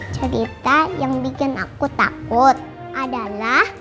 cerita yang bikin aku takut adalah